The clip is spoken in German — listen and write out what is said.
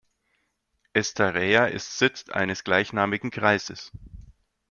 Estarreja ist Sitz eines gleichnamigen Kreises.